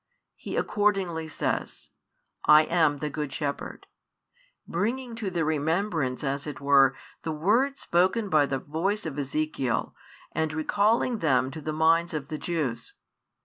He accordingly says: I am the Good Shepherd, bringing to their remembrance as it were the words spoken by the voice of Ezekiel and recalling them to the minds of the Jews.